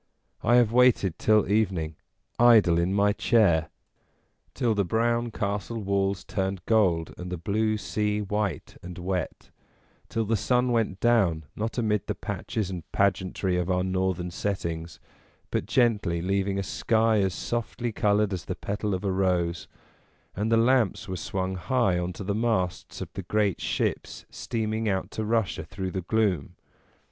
I have waited till evening, idle in my chair, 57 58 CANDILLI till the brown Castle walls turned gold, and the blue sea white and wet, till the sun went down not amid the patches and pageantry of our Northern settings, but gently leaving a sky as softly coloured as the petal of a rose: and the lamps were swung high on to the masts of the great ships steaming out to Russia through the gloom.